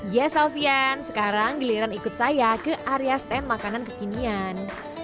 ya salvian sekarang giliran ikut saya ke area stand makanan kekinian